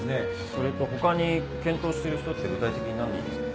それと他に検討してる人って具体的に何人いるんすか？